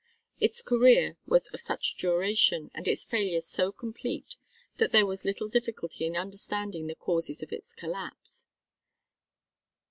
Its career was of such short duration and its failure so complete that there was little difficulty in understanding the causes of its collapse.